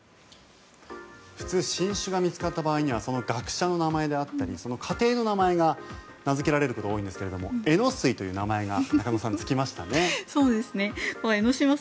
普通新種が見つかった場合にはその学者の名前であったり家庭の名前が名付けられることが多いんですけれどエノスイという名前がつきましたね。